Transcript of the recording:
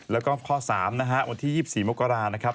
แล้วก็ข้อ๓นะฮะวันที่๒๔มกรานะครับ